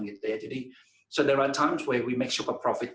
jadi ada waktu kita membuat super profit